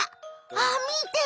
あっみて！